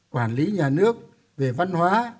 quản lý nhà nước về văn hóa